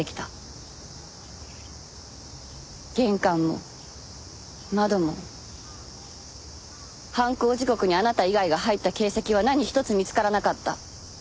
玄関も窓も犯行時刻にあなた以外が入った形跡は何一つ見つからなかった。